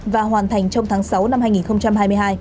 và hoàn thành trong tháng sáu năm hai nghìn hai mươi hai